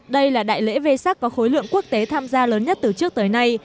đây là đại lễ vê sắc có khối lượng quốc tế tham gia lớn nhất từ trước tới nay